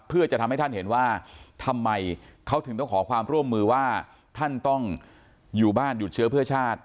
เพื่อจะทำให้ท่านเห็นว่าทำไมเขาถึงต้องขอความร่วมมือว่าท่านต้องอยู่บ้านหยุดเชื้อเพื่อชาติ